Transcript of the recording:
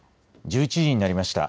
１１時になりました。